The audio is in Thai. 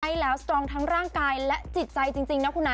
ใช่แล้วสตรองทั้งร่างกายและจิตใจจริงนะคุณนะ